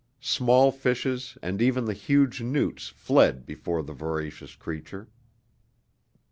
Small fishes and even the huge newts fled before the voracious creature.